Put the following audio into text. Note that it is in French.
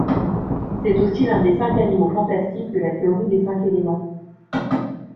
C'est aussi l'un des cinq animaux fantastiques de la théorie des cinq éléments.